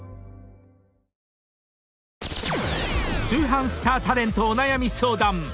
［通販スタータレントお悩み相談。